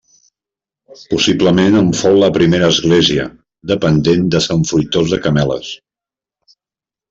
Possiblement en fou la primera església, dependent de Sant Fruitós de Cameles.